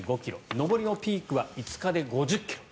上りのピークは５日で５０ｋｍ。